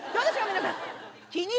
皆さん。